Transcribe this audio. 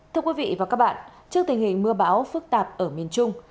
thưa quý vị và các bạn trước tình hình mưa bão phức tạp ở miền trung